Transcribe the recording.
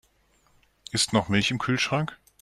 Ist noch Milch im Kühlschrank?